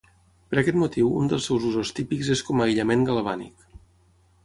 Per aquest motiu un dels seus usos típics és com a aïllament galvànic.